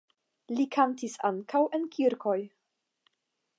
Li kantis ankaŭ en kirkoj.